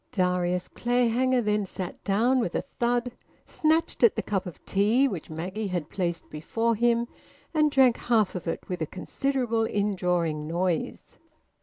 Darius Clayhanger then sat down, with a thud, snatched at the cup of tea which Maggie had placed before him, and drank half of it with a considerable in drawing noise.